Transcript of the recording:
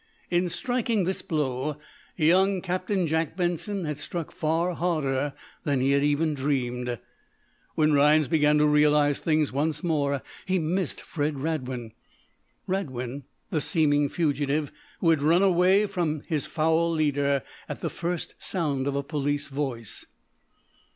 In striking this blow young Captain Jack Benson had struck far harder than he had even dreamed. When Rhinds began to realize things once more he missed Fred Radwin Radwin, the seeming fugitive, who had run away from his foul leader at the first sound of a police voice.